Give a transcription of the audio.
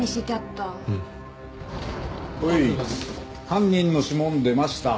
犯人の指紋出ました。